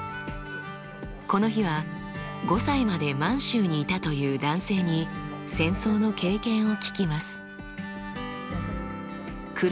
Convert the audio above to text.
この日は５歳まで満州にいたという男性に戦争の経験を聞きます。